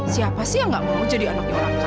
siapa sih yang nggak mau jadi anaknya orang kaya